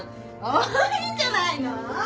多いんじゃないの？